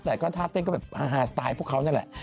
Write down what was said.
แต่ก็ท่าเต้นก็แบบฮาสไตล์พวกเขานั่นแหละ